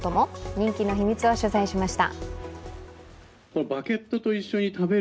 人気の秘密を取材しました。